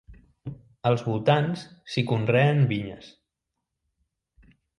Als voltants s'hi conreen vinyes.